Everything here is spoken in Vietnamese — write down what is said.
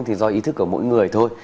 thì do ý thức của mỗi người thôi